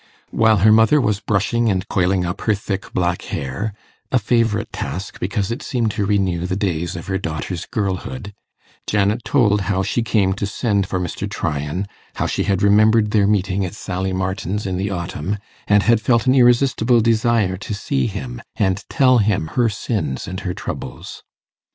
While her mother was brushing and coiling up her thick black hair a favourite task, because it seemed to renew the days of her daughter's girlhood Janet told how she came to send for Mr. Tryan, how she had remembered their meeting at Sally Martin's in the autumn, and had felt an irresistible desire to see him, and tell him her sins and her troubles.